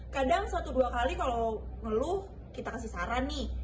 kadang satu dua kali kalau ngeluh kita kasih saran nih